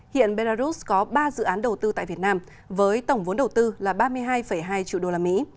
hiện belarus có ba dự án đầu tư tại việt nam với tổng vốn đầu tư là ba mươi hai hai triệu đô la mỹ